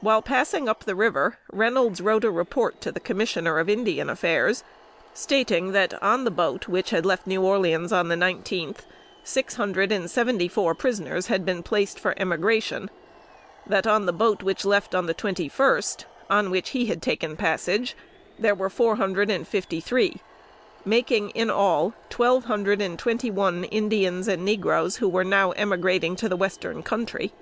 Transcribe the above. While passing up the river, Reynolds wrote a report to the Commissioner of Indian Affairs, stating that on the boat which left New Orleans on the nineteenth, six hundred and seventy four prisoners had been placed for emigration; that on the boat which left the twenty first, on which he had taken passage, there were four hundred and fifty three making in all twelve hundred and twenty one Indians and negroes, who were now emigrating to the Western Country.